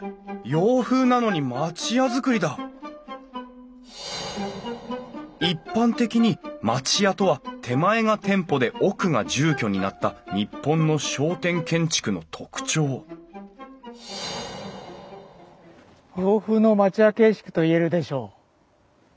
洋風なのに町屋造りだ一般的に町屋とは手前が店舗で奥が住居になった日本の商店建築の特徴洋風の町屋形式といえるでしょう。